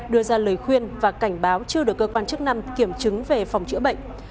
đưa ra lời khuyên và cảnh báo chưa được cơ quan chức năng kiểm chứng về phòng chữa bệnh